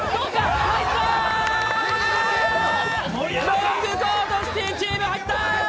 ロングコートシティチーム入った！